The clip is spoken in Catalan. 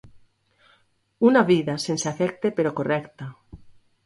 Una vida sense afecte però correcta.